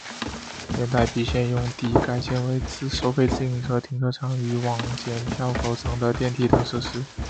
原待避线用地改建为收费自行车停车场与往剪票口层的电梯等设施。